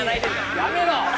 やめろ。